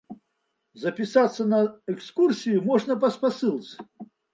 Запісацца на экскурсію можна па спасылцы.